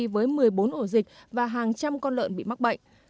với một mươi bốn ổ dịch và hàng trăm con lợn bị mắc bệnh